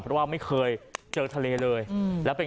หัวไม่เคยเจอทะเลเลยเรามีเป็น